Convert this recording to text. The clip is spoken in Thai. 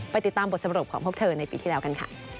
ติดตามบทสรุปของพวกเธอในปีที่แล้วกันค่ะ